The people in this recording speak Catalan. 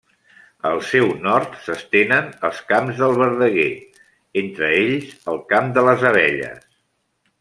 Al seu nord s'estenen els camps del Verdeguer; entre ells, el Camp de les Abelles.